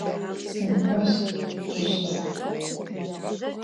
Сымыкӏожь хъущтэп.